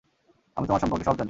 আমি তোমার সম্পর্কে সব জানি।